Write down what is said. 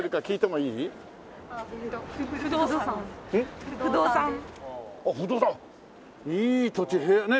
いい土地ねえ？